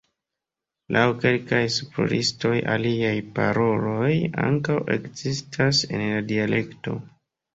Laŭ kelkaj esploristoj aliaj paroloj ankaŭ ekzistas en la dialekto.